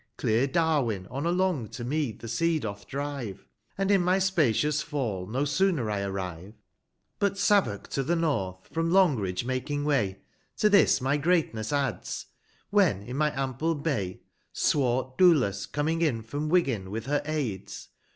Clear Dariven on along me to the sea doth drive. And in my spacious fall no sooner I arrive, But Savock to the North, from Longridge making way, ii5 To this my greatness adds, when in my ample Bay, Swart Duhis coming in, from Ifiggin with her aids.